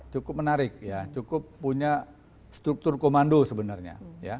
cukup menarik ya cukup punya struktur komando sebenarnya